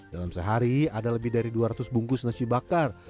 dalam sehari ada lebih dari dua ratus bungkus nasi bakar